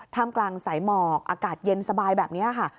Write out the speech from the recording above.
กลางสายหมอกอากาศเย็นสบายแบบนี้ค่ะ